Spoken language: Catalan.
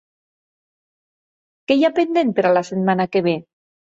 Què hi ha pendent per a la setmana que ve?